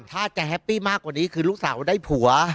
ถ้าจะแฮปปี้มากกว่านี้คือลูกสาวได้ผัว